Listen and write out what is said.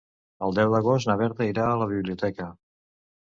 El deu d'agost na Berta irà a la biblioteca.